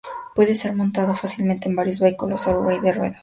Puede ser montado fácilmente en varios vehículos oruga y de ruedas.